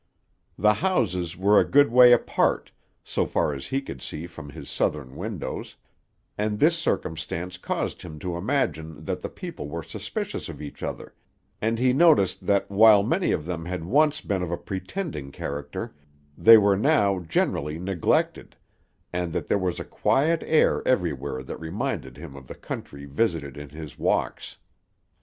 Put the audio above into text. The houses were a good way apart, so far as he could see from his southern windows; and this circumstance caused him to imagine that the people were suspicious of each other, and he noticed that while many of them had once been of a pretending character, they were now generally neglected; and that there was a quiet air everywhere that reminded him of the country visited in his walks.